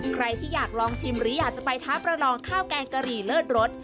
ใครที่อยากลองชิมหรืออยากจะไปท้าประนองข้าวแกงกะหรี่เลิศรส